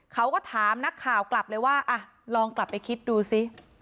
เขาก็ถามนักข่าวกลับเลยว่าอ่ะลองกลับไปคิดดูสิ